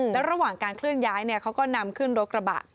แล้วระหว่างการเคลื่อนย้ายเขาก็นำขึ้นรถกระบะ